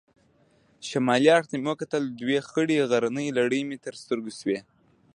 شمالي اړخ ته مې وکتل، دوې خړې غرنۍ لړۍ مې تر سترګو شوې.